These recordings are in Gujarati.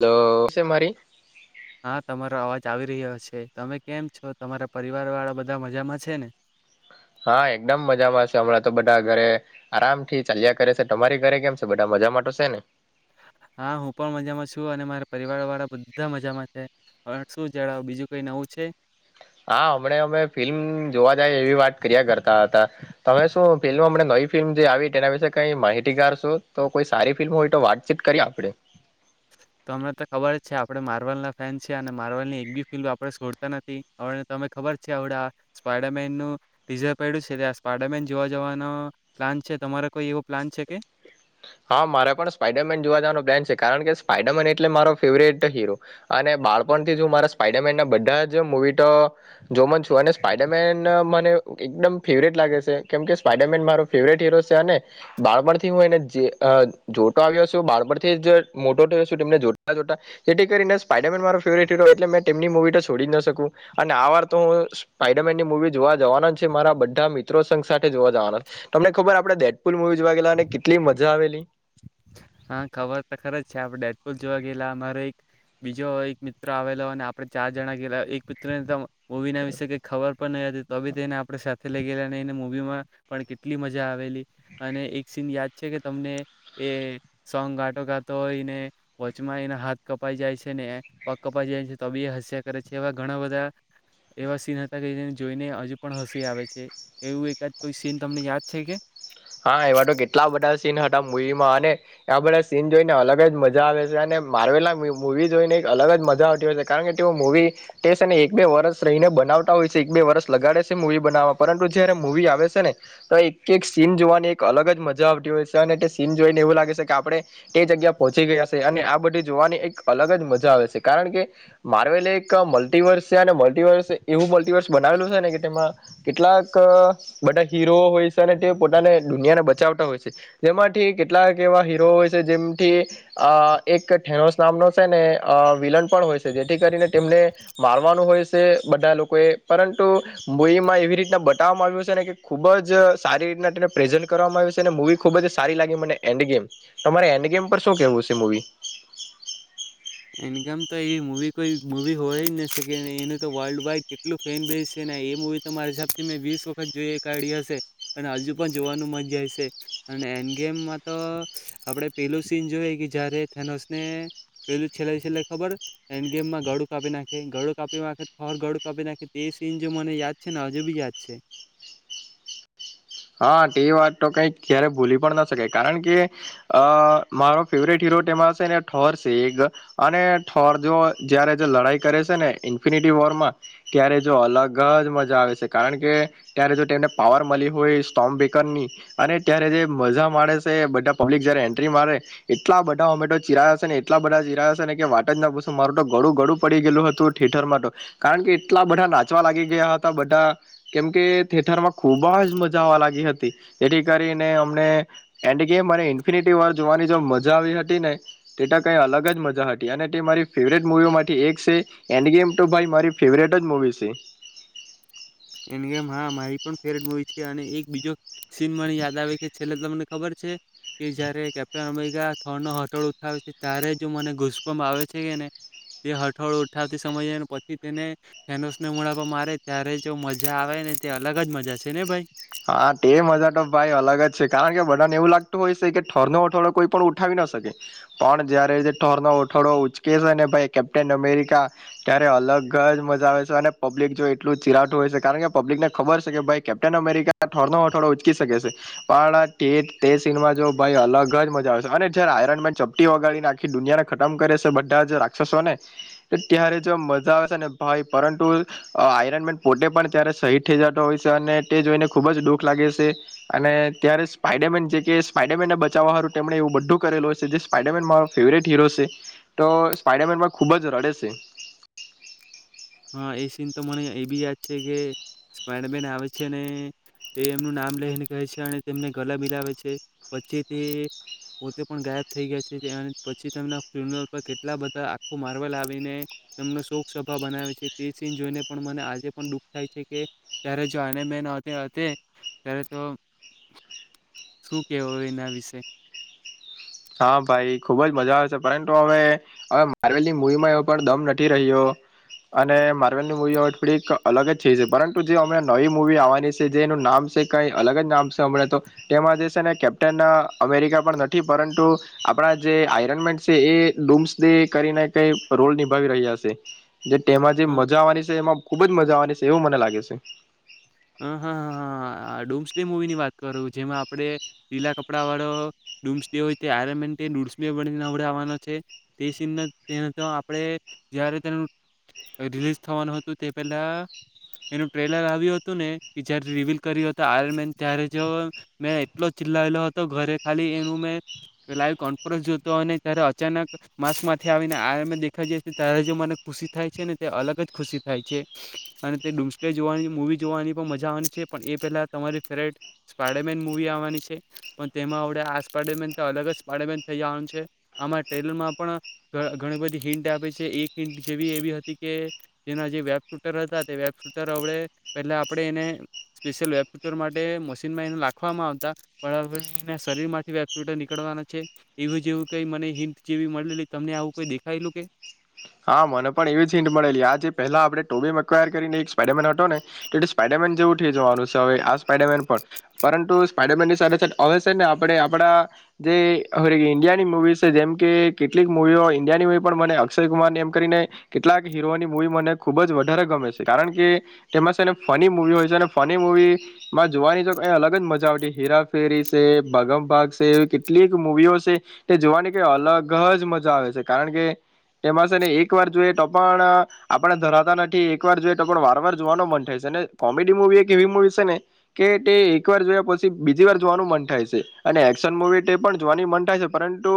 લો સે મારી. હા, તમારો અવાજ આવી રહ્યો છે. તમે કેમ છો? તમારા પરિવારવાળા બધા મજામાં છે ને? હા, એકદમ મજામાંશે હમણાં તો બધા ઘરે આરામથી ચાલ્યા કરે છે. તમારી ઘરે કેમ છે બધા, મજામા ટો છે ને? હા, હું પણ મજામાં છું, અને મારા પરિવારવાળા બધા મજામાં છે. પણ શું જણાવ, બીજું કઈ નવું છે? હા, હમણે અમે ફિલ્મ જોવા જાય એવી વાત કર્યા કરતા હતા. તમે શું પેલું હમણાં નવી ફિલ્મ જે આવી તેના વિશે કઈ માહિતીગાર સો, તો કોઈ સારી ફિલ્મ હોય તો વાતચીત કરી આપડે. તમને તો ખબર જ છે, આપડે માર્વલના ફેન છે, અને માર્વલ ની એક બી ફિલ્મ આપડે છોડતા નથી. હ તમે ખબર છે, હવડે આ સ્પાયડામેનનું ટીઝર પડ્યું છે, તે આ સ્પાયડામેન જોવા જવાનો પ્લાન છે. તમારો કોઈ એવો પ્લાન છે કે? હા, મારે પણ સ્પાઈડરમેન જોવા જવાનો પ્લાન છે. કારણ કે, સ્પાઈડરમેન એટલે મારો ફેવરેટ હીરો અને બાળપણથી જ હું મારા સ્પાઈડરમેનના બધા જ મુવી ટો જોમન છું, અને સ્પાઈડરમેન મને એકદમ ફેવરેટ લાગે સે, કેમકે સ્પાઈડરમેન મારો ફેવરેટ હીરો સે, અને બાળપણથી હું એને જે અ જોટો આવ્યો છું, બાળપણથી જ મોટો થયો છું. તેમને જોટા જોટા જેઠી કરીને સ્પાઈડરમેન મારો ફેવરેટ હીરો એટલે મે તેમની મુવી તો છોડી જ ન શકું. અને આ વાર તો હું સ્પાઈડરમેનની મુવી જોવા જવાના જ છે. મારા બધ્ધા મિત્રો સંઘ સાથે જોવા જવાના. તમને ખબર આપડે ડેડ પુલ મુવી જોવા ગેલાને કેટલી મજ જો આવેલી હા, ખબર તો ખર જ છે. આપડે ડેડપુલ જોવા ગેલા. મારે એક બીજો એક મિત્રો આવેલો અને આપડે ચાર જણા ગેલા એક મિત્રને તો મુવીના વિશે કઈ ખબર પન નહીં હતી તો બી તેને આપડે સેફ ફેલાઈ ગેલા અને એને મૂવીમાં પણ કેટલી મજા આવેલી. અને એક સીન યાદ છે કે તમને એ સોંગ ગાટો ગાંતો ઈને વચમાં એના હાથ કપાઈ જાય છે ને એ પગ કપાઈ જાય છે તો બી એ હસ્યા કરે છે. એવા ઘણા બધા એવા સીન હતા કે જેને જોઈને હજુ પણ હસી આવે છે. એવું એકાદ કોઈ સીન તમને યાદ છે કે? હા, એવા તો કેટલા બધા સીન હતા મુવીમાં, અને આ બધા સીન જોઈને અલગ જ મજા આવે છે, અને માર્વેલા મુવી જોઈને એક અલગ જ મજા આવતી હોય છે, કારણ કે, તેઓ મૂવી તે છે ને એક બે વરષ રહીને બનાવતા હોય છે. એક બે વરષ લગાડે છે, મુવી બનાવવામાં. પરંતુ, જયારે મુવી આવે છે ને તો એક એક સીન જોવાની એક અલગ જ મજા આવટી હોય છે, અને તે સીન જોઈને એવું લાગે સે કે આપડે તે જગ્યા પહોંચી ગયા સે, અને આ બધી જોવાની એક અલગ જ મજા આવે છે. કારણ કે, માર્વેલે એક મલ્ટિવર્સ છે, અને મલ્ટિવર્સ એવું મલ્ટિવર્સ બનાવેલું છે ને કે ટેમાં કેટલાક બધા હીરો હોય છે, અને તે પોતાને દુનિયાને બચાવટા હોય છે, જેમાંથી કેટલાક એવા હીરો હોય છે, જેમથી અ એક ઠેનોસ નામનો સે ને વિલન પણ હોય સે, જેથી કરીને તેમને મારવાનું હોય સે, બધા લોકોએ પરંતુ બૂઈમાં એવી રીતના બટાવવામાં આવ્યું સે ને કે ખૂબ જ સારી રીતના તેને પ્રેઝન્ટ કરવામાં આવ્યું સે, અને મૂવી ખૂબ જ સારી લાગી મને એન્ડ ગેમ. તમારે એન્ડ ગેમ પર શું કેવું સે મુવી. એન્ડ ગેમ તો એવી મુવી કોઈ મુવી હોય જ ન શકે એને એનું તો વર્લ્ડ વાઈડ કેટલું ફેન બેસ છે ને એ મુૂવી તો મારા હિસાબથી મેં વિસ વખત જોઈ કાઢી હશે. અને હજુ પણ જોવાનું મજાઈ સે, અને એન્ડ ગેમમાં તો આપડે પેલું સીન જોએ કે જયારે થેનોસને પેલું છેલ્લય છેલ્લય ખબર હ. હેન્ડ ગેમમાં ગડું કાપી નાખે ગળું કાપી નાખે થોર ગળું કાપી નાખે તે સીન જો મને યાદ છે ને હજુ બી યાદ છે. હા, તે વાત તો કઈક ક્યારે ભૂલી પણ ના શકાય. કારણ કે, અ મારો ફેવરેટ હીરો તેમાં સે ને ઠોર સે એગ અને ઠોર જો જ્યારે જો લડાઈ કરે સે ને ઇન્ફિનિટી વોરમાં ત્યારે જો અલગ જ મજા આવે છે, કારણ કે ત્યારે જો તેમને પાવર મલી હોય ટોમ બેકરની અને ત્યારે જે મજા માણે સે બધા પબ્લિક જ્યારે એન્ટ્રી મારે એટલા બધા હોમેટો ચિરાયા સે ને એટલા બધા ચિરાયા સે ને કે વાટ જ ના પુસુ મારું તો ગડું ગડું પડી ગેલુ હતું થિયેટરમાં તો કારણ કે એટલા બધા નાચવા લાગી ગ્યા હતા બધા કેમકે થિયેટરમાં ખુબ જ મજ જવા લાગી હતી. જેથી કરીને અમને એન્ડ ગેમ અને ઇન્ફિનિટી વોર જોવાની જો મજા આવી હતી ને તે ટો કંઈ અલગ જ મજા હતી. અને તે મારી ફેવરેટ મૂવીઓમાંથી એક સે એન્ડ ગેમ ટુ ભાઈ મારી ફેવરેટ જ મુૂવી સે. એન્ડ ગેમ હા, મારી પણ ફેવરેટ મુવી છે, અને એક બીજો સીન મને યાદ આવે કે છેલ્લે તમને ખબર છે કે જયારે કેપ્ટન અમેરિકા થોણનો હથોળો ઉઠાવે છે, ત્યારે જો મને ઘુસપવામાં આવે છે ને તે હઠોળો ઉઠાવતી સમયે એન પછી તેને ફેનોસને મુડાવકા મારે ત્યારે જો મજા આવે ને તે અલગ જ મજા છે ને ભાઈ. હા, તે મજા તો ભાઈ અલગ જ છે કારણ કે બધાને એવું લાગતું હોય છે કે ઠોરનો હઠોડો કોઈ પણ ઉઠાવી ન શકે. પણ જયારે જે ઠોરનો ઓઠોડો ઉચકે છે ને ભાઈ કેપ્ટન અમેરિકા ત્યારે અલગ જ મજા આવે છે, અને પબ્લિક જો એટલું ચિરાટું હોય છે, કારણ કે પબ્લિકને ખબર છે કે ભાઈ કેપ્ટન અમેરિકા ઠોરનો હઠોડો ઉચકી શકે સે, પણ તે તે સીનમાં જો ભાઈ અલગ જ મજા આવે છે, અને જયારે આયરનમેન ચપટી વગાડીને આખી દુનિયાને ખતમ કરે છે, બધા જ રાક્ષસોને ત્યારે જો મજા આવે છે ને ભાઈ પરંતુ અ આયરન મેન પોટે પણ ત્યારે શહીદ થઈ જતો હોય છે અને તે જોઈને ખૂબ જ દુઃખ લાગે સે અને ત્યારે સ્પાાઈડરમેન જે કે સ્પાઈડરમેનને બચાવવાા હારું તેમણે એવું બધું કરેલું છે જે સ્પાઈડરમેન મારો ફેવરેટ હીરો સે તો સ્પાઈડરમેનમાં ખૂબ જ રડે સે. હા, એ સીન તો મને એ બી યાદ છે કે સ્પાઈડરમેન આવે છે ને તે એમનું નામ લઈને કહે છે અને તેમને ગલા બિલાવે છે. પછી તે પોતે પણ ગાયબ થઈ ગ્યા છે, ત્યાંન પછી તેમના ફિલ્મ પર કેટલા બધા આખો માર્વલ આવીને તેમનો શોક સભા બનાવે છે તે સીન જોઈને પણ મને આજે પણ દુઃખ થાય છે કે ત્યારે જો આને મેન હતે હથે ત્યારે તો શું કેવો એના વિશે. હા, ભાઈ ખુબ જ મજા આવે છે, પરંતુ હવે હવે માર્વેલની મૂવીમાં એવો પણ દમ નથી રહ્યો. અને માર્વેલની મૂવી હવે થોડીક અલગ જ છે જે પરંતુ જે અમણાં નવી મુૂવી આવવાની છે જે એનું નામ છે કઈ અલગ જ નામ સ અમણે તો તેમાં જે સે ને કેપ્ટન અમેરિકા પણ નથી પરં ટો આપણા જે આયરનમેન્ટ છે એ ડુમ્સ ડે કરીને કઈ રોલ નિભાવી રહ્યા છે. જે તેમાં જે હા મજા આવાની છે એમાં ખુબ જ મજા આવવાની છે. તેવું મને લાગે છે. હ હ હ હ ડુમ્સ ડે મુવીની વાત કરું જેમાં આપણે લીલા કપડા વાળો ડુમ્સ ડે હોય તે આમે ડુમ્સેને નવડાવાનો છે, તે સીન આપણે જયારે તેનું રિલીઝ થવાનું હતું તે પહેલા એનું ટ્રેલર આવ્યું હત. જારે રિવલ કર્યો આ ત્યારે મેં એટલો ચિલ્લાયેલો હતો ઘરે ખાલી એનું મેં લાઈવ કોન્ફરન્સ જોતો અને ત્યારે અચાનક માસ્કમાંથી આવીને આ મે દેખાઈ જ ત્યારે મને ખુશી થાય છે ને તે અલગ જ ખુશી થાય છે અને તે ડુમસને જોવાની મુવી જોવાની પણ મજા આવવાની છે પણ એ પહેલાં તમારી ફેવરેટ સ્પાયડરમેન મૂવી આવવાની છે પણ તેમાં હણે આ સ્પાઈડરમેન તો અલગ જ સ્પાયડરમેન થઈ જવાનું છે. આમાં ટ્રેલરમાં પણ ઘણી બધી હિન્ટ આપ છે. એક હિન્ટ જેવી એવી હતી કે જેના જે વેબ શૂટર હતા તે વેબ શૂટર અવડે પહેલા આપણે એને સ્પેશિયલ વેપુટર માટે મશીનમાં એને લખવામાં આવતા પણ આપણે એના શરીર થી વેપુટર નીકળવાના છે એવું જેવું કઈ મને હિન્ટ જેવી મળેલી તમને આવું કઈ દેખાયલું કે હા મને પણ એવી જ હિંન્ટ મળેલી આ જે પહેલા આપણે ટોબીવાયર કરીને એક સ્પાઈડરમેન હતો ને તો સ્પાઈડરમેન જેવું થઈ જવાનું છે. હવે આ સ્પાઈડરમેન પણ પરંતુ સ્પાઈડરમેનની સાથે સાથે હવે છે ને આપણે આપડા જે ઈન્ડિયાની મુૂવી છે જેમ કે કેટલીક મુવીઓ ઈન્ડિયાનીવી પણ મને અક્ષર ને એમ કરીને કેટલાક હીરોની મૂવી મને ખુબ જ વધારે ગમે છે, કારણ કે તેમાં છેને ફની મુૂવી હોય છે અને ફની મુૂવીમાં જોવાની તો કઈ અલગ જ મજા આવતી. હેરાફેરી છે, ભાગમભાગ છે, એવી કેટલીક મુૂવીઓ છે તે જોવાની કઈ અલગ જ મજા આવે છે કારણ કે એમાં છે ને એક વાર જોઈએ તો પણ આપણે ધરાતા નથી એક વાર જોઈએ તો પણ વાર વાર જોવાનું મન થાય છે અને કોમેડી મુૂવી એક એવી મુૂવી છે ને કે તે એકવાર જોયા પછી બીજી વાર જોવાનું મન થાય છે. અને એક્શન મૂવી તે પણ જોવાની મન થાય છે પરંતુ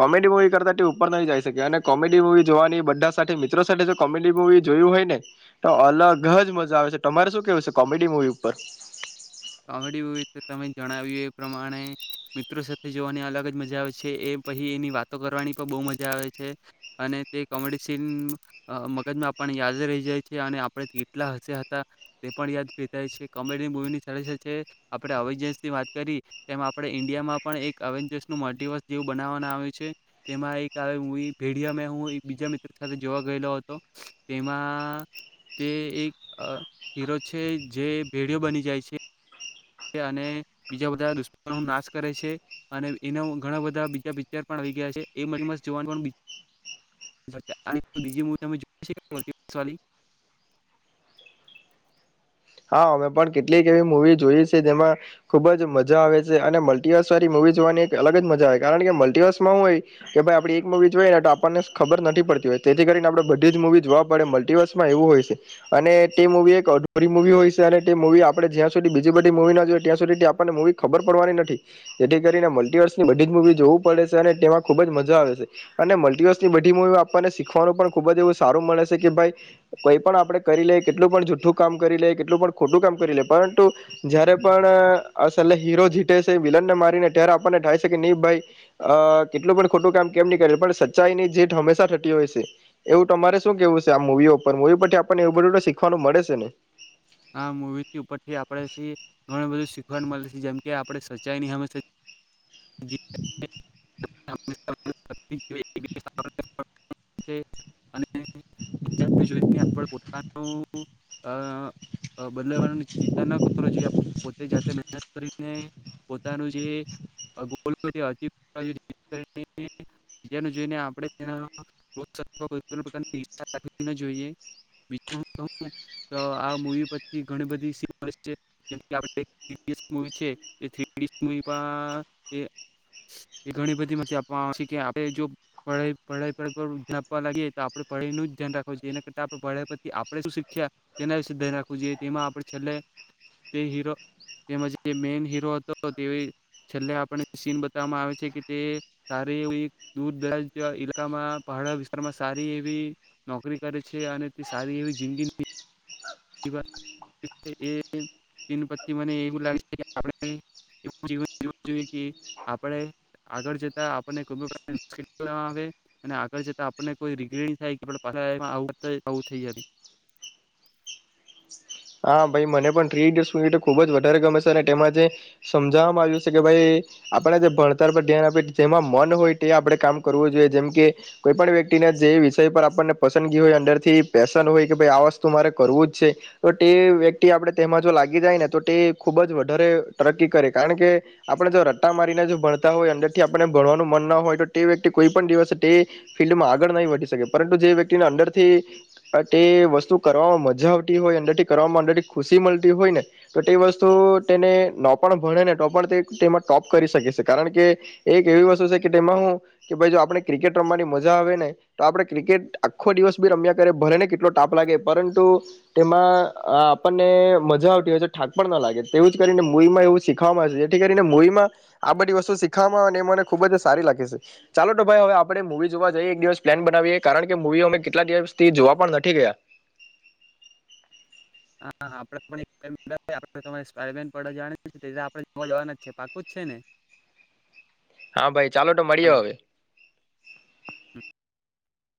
કોમેડી મુૂવી કરતાં તે ઉપર ન જઈ શકે અને કોમેડી મુવી જોવાની બધા સાથે મિત્રો સાથે જો કોમેડી મુવી જોઇ હોય ને તો અલગ જ મજા આવે છે તમારે શું કેવું છે કોમેડી મુવી ઉપર કોમેડી મૂવી તમે જણાવ્યું એ પ્રમાણે મિત્રો સાથે જોવાની અલગ જ મજા આવે છે એ પછી એની વાતો કરવાની પણ બહુ મજા આવે છે અને તે કોમેડી સીન મગજમાં આપણને યાદ રહી જાય છે અને આપણે કેટલા હશે હતા તે પણ યાદ જાય છે કોમેડી મુવીની આપણે અવેજન્સ ની વાત કરી તેમ આપણે ઈન્ડિયામાં પણ એક અવેજન્સ નું [unintelligible] જેવું બનાવવાના આવ્યું છે તેમાં એક આવે મુવી ભેડિયા મે હું એક બીજા મિત્ર સાથે જોવા ગયેલો હતો તેમાં તે એક હીરો છે જે ભેડિયો બની જાય છે. અને બીજા બધા દુ્શમનોનો નાશ કરે છે અને એનો ઘણા બધા બીજા પિક્ચર પણ આવી ગયા છે એ મત જોવાનું [unintelligible] સોરી હા અમે પણ કેટલીક એવી મુૂવી જોઈ છે જેમાં ખુબ જ મજા આવે છે અને મલ્ટીિવર્સ વાળી મૂવી જોવાની એક અલગ જ મજા આવે કારણ કે મલ્ટીિવર્સ માં હોય કે ભાઈ આપણે એક મૂવી જોઈએ ને આપણને ખબર નથી પડતી હોય તેથી કરીને આપડે બધી જ મુૂવી જોવા પડે મલ્ટીિવર્સમાં એવું હોય છે અને તે મૂવી એક વી હોય છે અને તે મુવી આપણે જ્યાં સુધી બીજી બધી મુવી ના જોઈએ ત્યાં સુધી આપણને મવી ખબર પડવાની નથી, જેથી કરીને મલ્ટીિવર્સની બધી જ મુૂવી જોવું પડે છે અને તેમાં ખુબ જ મજા આવે છે અને મલ્ટીિવર્સની બધી મુવીઓ આપણને શીખવાનું પણ ખૂબ જ એવું સારું મળે છે કે ભાઈ કઈ પણ આપણે કરી લઈએ કેટલું પણ જૂઠું કામ કરી લે કેટલું પણ ખોટું કામ કરી લે પરંતુ જયારે પણ અસલા હીરો જીતે છે વિલન ને મારીને ત્યારે આપણને થાય છે કે નહી ભાઈ અ કેટલું પણ ખોટું કામ કેમ નહી કરેે પણ સચ્ચાઈ ની જીત હંમેશા થતી હોય છે. એવું તમારે શું કેવું છે આ મુવીઓ પર મુવી પરથી આપણને એવું બધું શીખવાનું મળે છે ને [unintelligible] આ મુવી ઉપરથી આપથી ઘણું બધું શીખવા મળે છે જેમ કે આપણે સચ્ચાઈ ની હંમેશા. જીત [inaudible] [unintelligible] [unintelligible] અને બીજા જોઈને આપણું પોતાનું અ બદલવાની ચિંતા ન કરો જોઈએ પોતે જાતે મહેનત કરીને. પોતાનું જે ગોલ [unintelligible] [unintelligible] જેનું જોઈ ને આપણે ત્યાં [unintelligible] જોઈએ. આ મુવી પરથી [unintelligible] એ ઘણી બધી [unintelligible] આપવામાં આવે છે કે આપણે જો પડાઈ પડાઈ [unintelligible] આપવા લાગીએ તો આપણે પઢાઈનું જ ધ્યાન રાખવું જોઈએ એના કરતા આપણે પાઈથી આપણે શું શીખ્યા તેના વિશે ધ્યાન રાખવું જોઈએ તેમાં આપણે છેલ્લે તે હીરોમાં મેન હીરો હતો તે છેલ્લે આપણે સીન. [unintelligible] આવે છે કે તે સારી એ દૂર દરાજ ઈલાકામાં પહાડ વિસ્તારમાં સારી એવી નોકરી કરે છે અને તે સારી એવી જિંદગી. [unintelligible] મને એવું લાગે છે આપ જોઈ આપણે આગળ જતા આપને આપણે આગળ જતા આપને કઈ રીગરન્ટ થાય આવુ થઇ જાય. હા ભાઈ મને પણ થ્રી ઇડીયટસ મુવી તો ખુબ જ વધારે ગમે છે અને તેમાં જે સમજાવવામાં આવ્યું છે કે ભાઈ આપણે જે ભણતર પર ધ્યાન આપી જેમાં મન હોય તે આપણે કામ કરવું જોઈએ, જેમ કે કોઈ પણ વ્યક્તિને જે વિષય પર આપણને પસંદગી હોય અંદરથી પેશન હોય કે ભાઈ આ વસ્તુ મારે કરવું જ છે. તો તે વ્યક્તિ આપણે તેમાં જો લાગી જાય ને તો તે ખૂબ જ વધારે તરક્કી કરે. કારણ કે આપણે જો રટ્ટા મારીને જો ભણતા હોય અંદરથી આપણને ભણવાનું મન ન હોય તો તે વ્યક્તિ કોઈ પણ દિવસ તે ફિલ્ડમાં આગળ નહીં વધી શકે. પરંતુ જે વ્યક્તિને અંદરથી તે વસ્તુ કરવામાં મજા આવતી હોય અંદર. કર ઓલરેડી ખુશી મળતી હોય ને તો તે વસ્તુ તેને ન પણ ભણે ને તો પણ તે તેમાં ટોપ કરી શકે છે. કારણ કે એક એવી વસ્તુ છે કે તેમાં હું કે ભાઈ જો આપણે ક્રિકેટ રમવાની મજા આવે ને તો આપણે ક્રિકેટ આખો દિવસ બી રમ્યા કર ભલે ને કેટલો તાપ લાગે પરંતુ તેમાં. આપણને મજા આવતી હોય છે, થાક પણ ના લાગે. તેવું જ કરીને મુવીમાં એવું શીખવામાં આવે છે જેથી કરીને મુવીમાં આ બધી વસ્તુ શીખવામાં અને મને ખુબ જ સારી લાગી છે. ચાલો તો ભાઈ હવે આપણે મુવી જોવા જઈએ. એક દિવસ પ્લાન બનાવીએ કારણ કે મુવી અમે કેટલા દિવસથી જોવા પણ નથી ગયા. હા આપણે [unintelligible] આપણે જોવા જવાના જ છે પાકું જ છે ને. હા, ભાઈ ચાલો તો મળીએ હાલો. હવે.